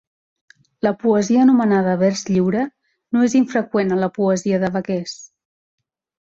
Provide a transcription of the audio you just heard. La poesia anomenada "vers lliure" no és infreqüent en la poesia de vaquers.